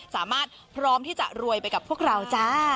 สามารถพร้อมที่จะรวยไปกับพวกเราจ้า